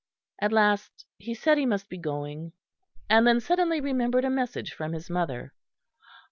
At last he said he must be going, and then suddenly remembered a message from his mother.